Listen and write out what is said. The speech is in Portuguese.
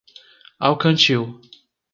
Alcantil